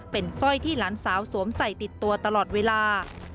เป็นสร้อยที่หลานสาวสวมใส่ติดตัวตลอดเวลา